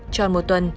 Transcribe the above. trong một tuần